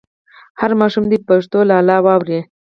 هر ماشوم دې په پښتو لالا واوري.